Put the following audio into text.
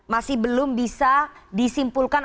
masih belum bisa disimpulkan